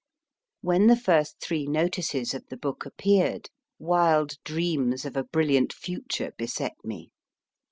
When the first three notices of the book appeared, wild dreams of a brilliant future beset me.